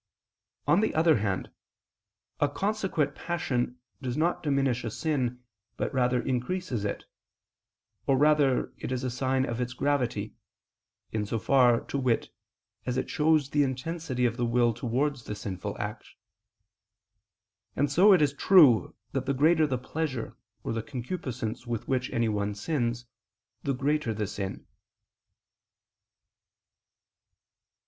On the other hand, a consequent passion does not diminish a sin, but increases it; or rather it is a sign of its gravity, in so far, to wit, as it shows the intensity of the will towards the sinful act; and so it is true that the greater the pleasure or the concupiscence with which anyone sins, the greater the sin.